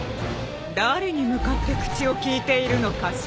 誰に向かって口を利いているのかしら？